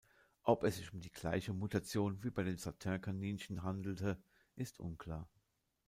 Ob es sich um die gleiche Mutation wie bei den Satin-Kaninchen handelte, ist unklar.